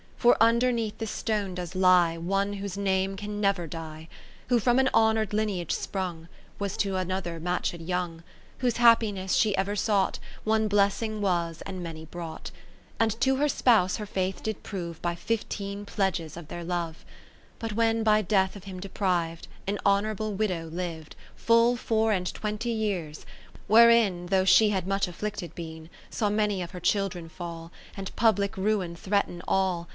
For underneath this stone does lie One whose name can never die : Who from an honour'd lineage sprung, Was to another matched young ; Whose happiness she ever sought ; One blessing was, and many brought. And to her spouse her faith did prove By fifteen pledges of their love. 10 But when by Death of him depriv'd, An honourable widow liv'd Full four and twenty years, wherein Though she had rnuch afflicted been, Saw many of her children fall. And public ruin threaten all.